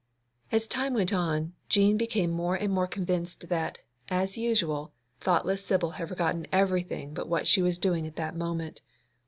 As time went on, Jean became more and more convinced that, as usual, thoughtless Sibyl had forgotten everything but what she was doing at that moment.